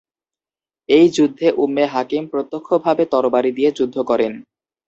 এই যুদ্ধে Umm Hakim প্রত্যক্ষভাবে তরবারি দিয়ে যুদ্ধ করেন।